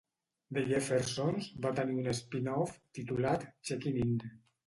"The Jeffersons" va tenir un spin-off, titulat "Checking In".